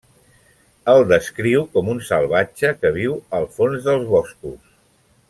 El descriu com un salvatge que viu al fons dels boscos.